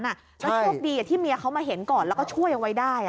แล้วโชคดีที่เมียเขามาเห็นก่อนแล้วก็ช่วยเอาไว้ได้